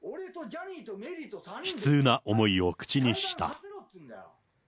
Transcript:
悲痛な思いを口にした。